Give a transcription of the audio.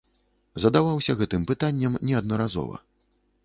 Задаваўся гэтым пытаннем неаднаразова.